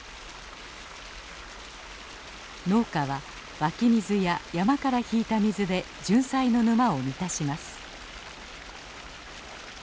農家は湧き水や山から引いた水でジュンサイの沼を満たします。